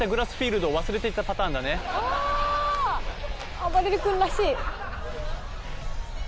あばれる君らしい。